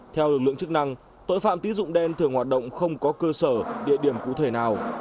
theo lực lượng chức năng tội phạm tín dụng đen thường hoạt động không có cơ sở địa điểm cụ thể nào